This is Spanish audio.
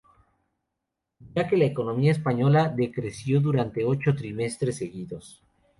Ya que la economía española decreció durante ocho trimestres seguidos.